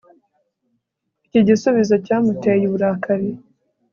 Iki gisubizo cyamuteye uburakari